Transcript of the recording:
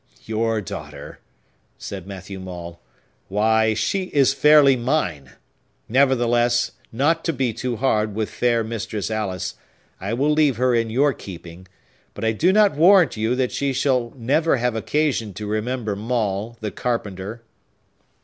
"Your daughter!" said Matthew Maule. "Why, she is fairly mine! Nevertheless, not to be too hard with fair Mistress Alice, I will leave her in your keeping; but I do not warrant you that she shall never have occasion to remember Maule, the carpenter."